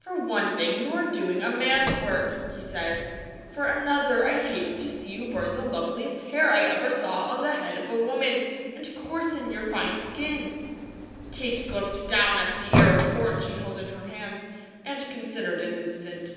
"For one thing, you are doing a man's work," he said. "For another, I hate to see you burn the loveliest hair I ever saw on the head of a woman, and coarsen your fine skin." Kate looked down at the ear of corn she held in her hands, and considered an instant.